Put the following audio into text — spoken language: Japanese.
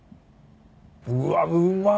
うわうまっ。